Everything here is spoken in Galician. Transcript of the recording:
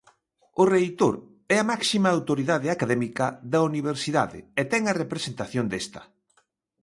O reitor é a máxima autoridade académica da universidade e ten a representación desta.